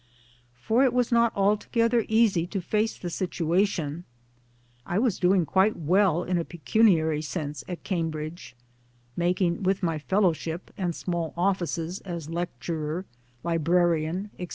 For it was not altogether easy to face the situation. I was doing very well, in a pecuniary sense, at Cam bridge, making with my Fellowship and small offices as lecturer, librarian, etc.